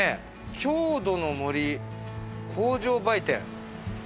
郷土の森工場売店。